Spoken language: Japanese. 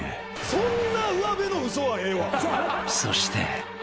そんなうわべの嘘はええわ。